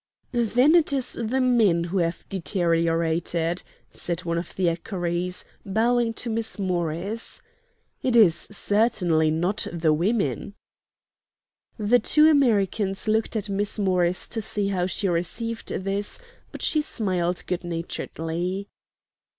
"Then it is the men who have deteriorated," said one of the equerries, bowing to Miss Morris; "it is certainly not the women." The two Americans looked at Miss Morris to see how she received this, but she smiled good naturedly.